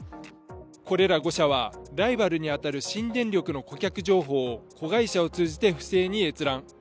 これら５社は、ライバルに当たる新電力の顧客情報を子会社を通じて不正に閲覧。